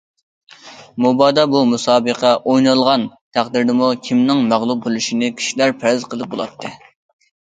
مۇبادا بۇ مۇسابىقە ئوينالغان تەقدىردىمۇ كىمنىڭ مەغلۇپ بولۇشىنى كىشىلەر پەرەز قىلىپ بولاتتى.